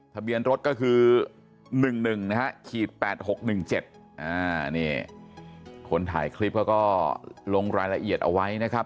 ทะเบียนรถก็คือ๑๑นะฮะ๘๖๑๗นี่คนถ่ายคลิปเขาก็ลงรายละเอียดเอาไว้นะครับ